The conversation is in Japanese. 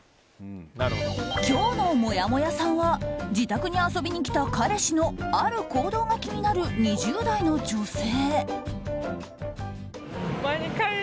今日のもやもやさんは自宅に遊びに来た彼氏のある行動が気になる２０代の女性。